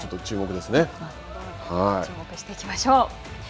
注目していきましょう。